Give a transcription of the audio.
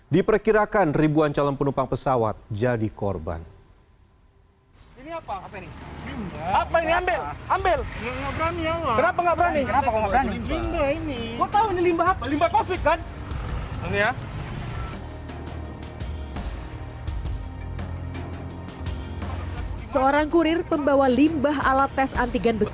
diperkirakan ribuan calon penumpang pesawat jadi korban